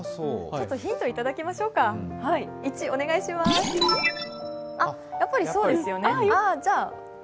ヒントいただきましょうか、やっぱりそうですよね。